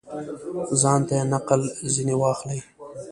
ځانته یې نقل ځني واخلي.